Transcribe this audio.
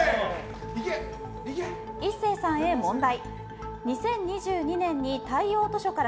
壱成さんへ問題。